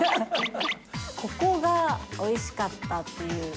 ここがおいしかったっていう。